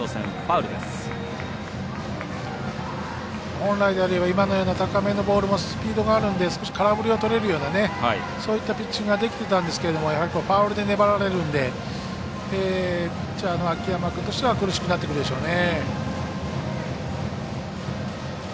本来であれば今のような高めのボールもスピードがあるので少し空振りがとれるようなピッチングができてたんですけどファウルで粘られるんでピッチャーの秋山君としては苦しくなってくるでしょうね。